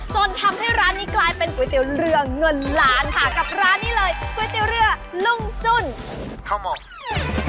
จนทำให้ร้านนี้กลายเป็นก๋วยเตี๋ยวเรือเงินล้านค่ะกับร้านนี้เลยก๋วยเตี๋ยวเรือลุงจุ้นข้าวหมก